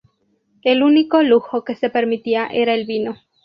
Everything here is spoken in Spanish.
El único lujo que se permitía era el vino.